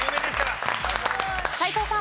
斎藤さん。